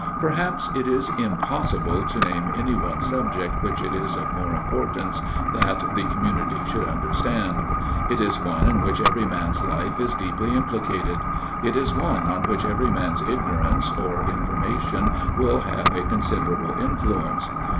Perhaps it is impossible to name any one subject which it is of more importance that the community should understand. It is one in which every man's life is deeply implicated: it is one on which every man's ignorance or information will have a considerable influence.